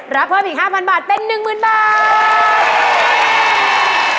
รับเพิ่มอีก๕๐๐บาทเป็น๑๐๐๐บาท